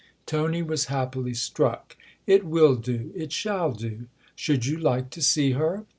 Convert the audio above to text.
Tony was happily struck. " It will do it shall do. Should you like to see her